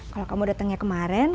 kalo kamu datengnya kemaren